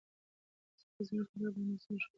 ځکه زموږ تاريخ باندې زموږ هويت ټړل شوى.